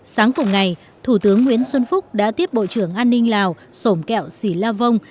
sáng cùng ngày thủ tướng nguyễn xuân phúc đã tiếp bộ trưởng an ninh lào sổm kẹo sĩ la vong